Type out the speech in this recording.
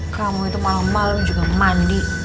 kamu itu malem malem juga mandi